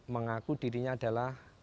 mengaku dirinya adalah